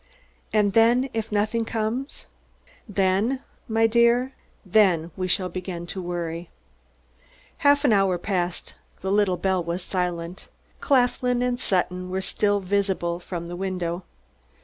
"And then, if nothing comes?" "Then, my dear, then we shall begin to worry." Half an hour passed; the little bell was silent; Claflin and Sutton were still visible from the window.